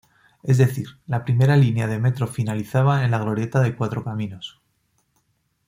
Es decir, la primera línea de metro finalizaba en la glorieta de Cuatro Caminos.